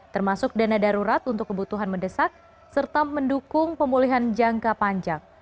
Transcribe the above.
termasuk dana darurat untuk kebutuhan mendesak serta mendukung pemulihan jangka panjang